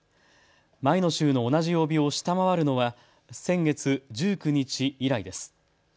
前の週の同じ曜日を下回るのは先月１９日以来です。